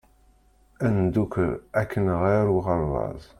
Ad ndukkel akken ɣer uɣeṛbaz!